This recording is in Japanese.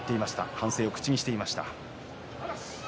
反省を口にしていました。